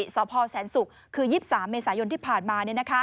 สศศคือ๒๓เมษายนที่ผ่านมา